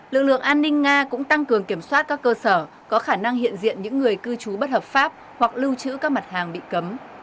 lực lượng an ninh nga cũng tăng cường kiểm soát các cơ sở có khả năng hiện diện những người cư trú bất hợp pháp hoặc lưu trữ các mặt hàng bị cấm